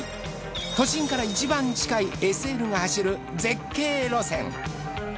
都心から１番近いＳＬが走る絶景路線。